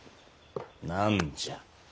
何じゃ？